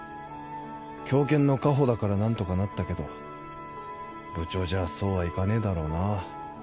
狂犬の夏帆だからなんとかなったけど部長じゃそうはいかねえだろうなぁ